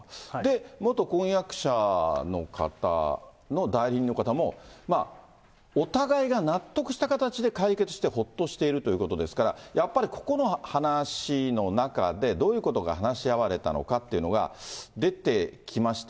元婚約者の方の代理人の方も、お互いが納得した形で解決してほっとしているということですから、やっぱりここの話の中で、どういうことが話し合われたのかというのが出てきました。